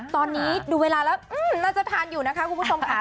ตอนนี้ดูเวลาแล้วน่าจะทานอยู่นะคะคุณผู้ชมค่ะ